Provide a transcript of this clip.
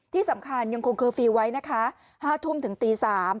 ที่สำคัญยังคงคือฟรีไว้นะคะห้าทุ่มถึงตีสาม